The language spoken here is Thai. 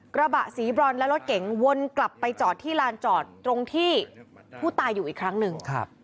กระบะสีบรอนและรถเก๋งวนกลับไปจอดที่ลานจอดตรงที่ผู้ตายอยู่อีกครั้งหนึ่ง